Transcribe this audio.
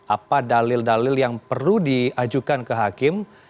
apa dalil dalil yang perlu diajukan ke hakim